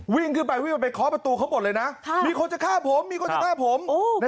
วิ่งขึ้นไปวิ่งไปเคาะประตูเขาหมดเลยนะมีคนจะฆ่าผมมีคนจะฆ่าผม